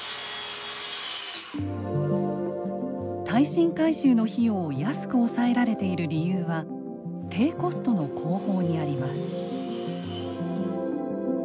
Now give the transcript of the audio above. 耐震改修の費用を安く抑えられている理由は低コストの工法にあります。